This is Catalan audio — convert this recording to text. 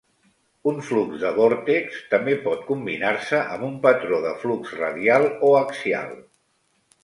Un flux de vòrtex també pot combinar-se amb un patró de flux radial o axial.